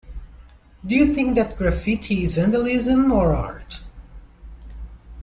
Do you think that graffiti is vandalism or art?